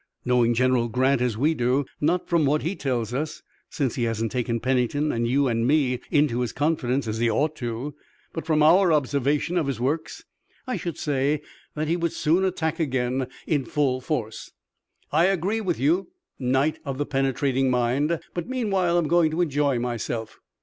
"Knowing General Grant as we do, not from what he tells us, since he hasn't taken Pennington and you and me into his confidence as he ought to, but from our observation of his works, I should say that he would soon attack again in full force." "I agree with you, Knight of the Penetrating Mind, but meanwhile I'm going to enjoy myself."